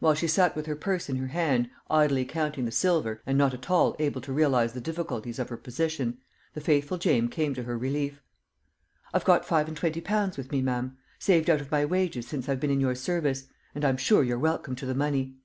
While she sat with her purse in her hand, idly counting the silver, and not at all able to realise the difficulties of her position, the faithful Jane came to her relief. "I've got five and twenty pounds with me, ma'am; saved out of my wages since I've been in your service; and I'm sure you're welcome to the money."